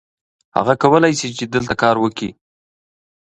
هغه کولی شي چې دلته کار وکړي.